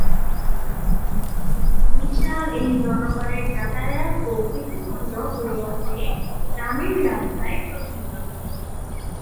বিশাল এই জনগণের যাতায়াত ও কৃষিপণ্য পরিবহনে গ্রামীণ রাস্তাই প্রধান মাধ্যম।